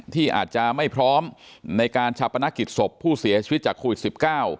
ที่อาจจะไม่พร้อมในการชาปนกิจศพผู้เสียชีวิตจากโควิดสิบเก้า